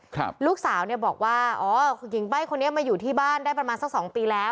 ครับลูกสาวเนี่ยบอกว่าอ๋อหญิงใบ้คนนี้มาอยู่ที่บ้านได้ประมาณสักสองปีแล้ว